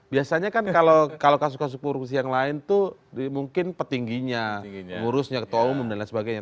biasanya kan kalau kasus kasus korupsi yang lain tuh mungkin petingginya ngurusnya ketua umum dan lain sebagainya